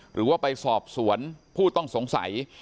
หรือว่าไปสอบสวนผู้ต้องสงสัย